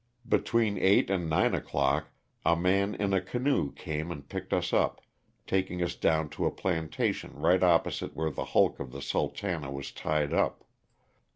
Between eight and nine o'clock a man in a canoe came and picked us up, taking us down to a planta tion right opposite where the hulk of the Sultana" was tied up.